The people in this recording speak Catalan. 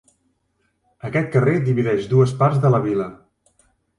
Aquest carrer divideix dues parts de la vila.